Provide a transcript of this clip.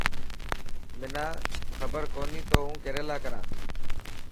منا کبر ڪوني تو هون ڪيريلا ڪران.